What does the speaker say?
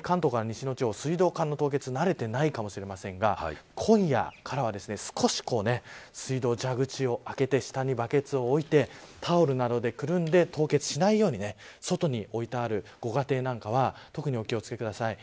関東から西の地方、水道管の凍結にあまり慣れていないかもしれませんが今夜からは少し水道蛇口を開けて下にバケツを置いてタオルなどでくるんで凍結しないように外に置いてあるご家庭なんかは特にお気を付けください。